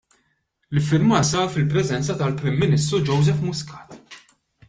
L-iffirmar sar fil-preżenza tal-Prim Ministru Joseph Muscat.